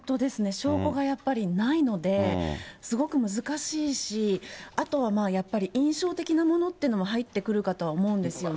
証拠がやっぱりないので、すごく難しいし、あとはやっぱり、印象的なものというのも入ってくるかとは思うんですよね。